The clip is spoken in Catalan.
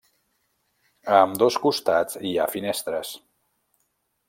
A ambdós costats hi ha finestres.